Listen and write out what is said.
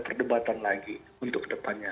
perdebatan lagi untuk depannya